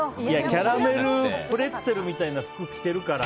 キャラメルプレッツェルみたいな服を着てるから。